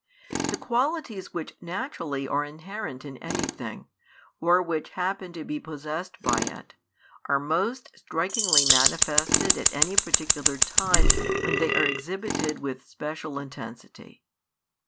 The qualities which naturally are inherent in any thing, or which happen to be possessed by it, are most strikingly manifested at any particular time when they are exhibited with special intensity.